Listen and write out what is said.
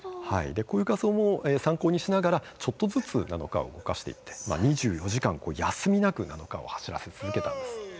こういう画像も参考にしながらちょっとずつナノカーを動かしていって２４時間、休みなくナノカーを走らせ続けたんです。